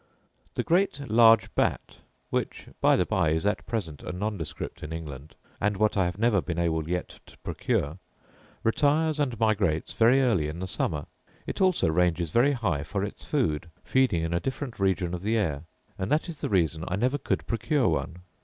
The great large bat* (which by the by is at present a nondescript in England, and what I have never been able yet to procure) retires and migrates very early in the summer: it also ranges very high for its food, feeding in a different region of the air; and that is the reason I never could procure one.